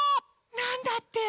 なんだって！？